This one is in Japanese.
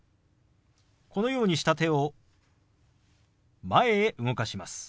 このようにした手を前へ動かします。